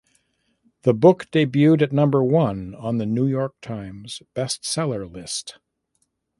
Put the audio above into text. The book debuted at number one on "The New York Times" Best Seller list.